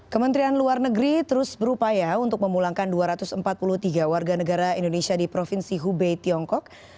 kementerian luar negeri terus berupaya untuk memulangkan dua ratus empat puluh tiga warga negara indonesia di provinsi hubei tiongkok